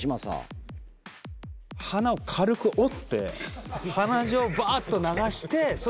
鼻を軽く折って鼻血をバーッと流してその状態でいく。